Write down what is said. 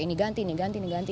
ini ganti nih ganti ini ganti